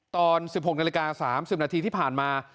ตอน๑๖นาฬิกา๓๐นาทีที่ผ่านมา